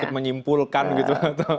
ikut menyimpulkan gitu